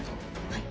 はい。